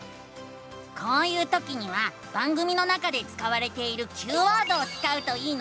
こういうときには番組の中で使われているＱワードを使うといいのさ！